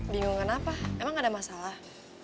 bingungan apa emang ada masalah